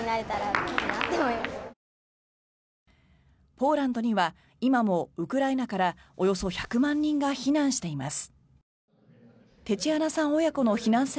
ポーランドには今もウクライナからおよそ１００万人が避難しています。